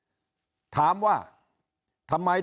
ยิ่งอาจจะมีคนเกณฑ์ไปลงเลือกตั้งล่วงหน้ากันเยอะไปหมดแบบนี้